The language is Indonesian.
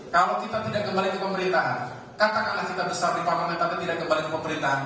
kalau kita tidak kembali ke pemerintahan katakanlah kita besar di paman tapi tidak kembali ke pemerintahan